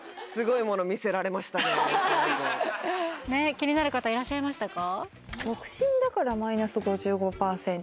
気になる方いらっしゃいましたか？